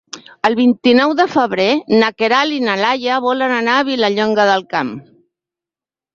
El vint-i-nou de febrer na Queralt i na Laia volen anar a Vilallonga del Camp.